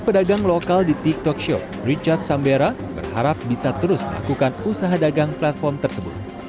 pedagang lokal di tiktok shop richard sambera berharap bisa terus melakukan usaha dagang platform tersebut